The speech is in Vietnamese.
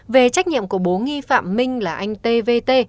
về trách nhiệm của bố nghi phạm minh là anh t v t